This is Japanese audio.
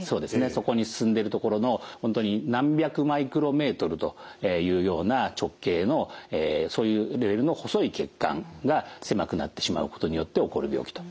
そこに進んでる所の本当に何百マイクロメートルというような直径のそういうレベルの細い血管が狭くなってしまうことによって起こる病気というふうにいわれています。